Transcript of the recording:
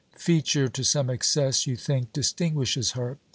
Feature to some excess, you think, distinguishes her.